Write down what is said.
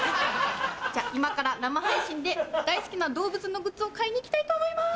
じゃあ今から生配信で大好きな動物のグッズを買いに行きたいと思います！